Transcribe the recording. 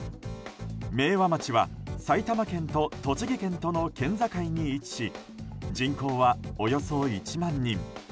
明和町は埼玉県と栃木県との県境に位置し人口は、およそ１万人。